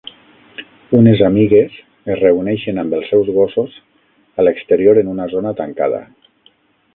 Unes amigues es reuneixen amb els seus gossos a l'exterior en una zona tancada.